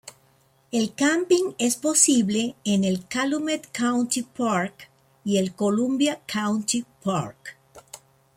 El camping es posible en el Calumet County Park y el Columbia County Park.